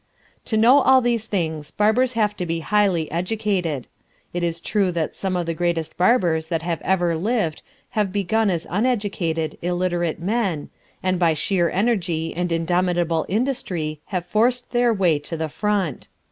To know all these things barbers have to be highly educated. It is true that some of the greatest barbers that have ever lived have begun as uneducated, illiterate men, and by sheer energy and indomitable industry have forced their way to the front.